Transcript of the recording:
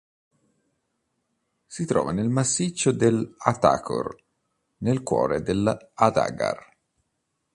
Si trova nel massiccio dell'Atakor, nel cuore dell'Ahaggar.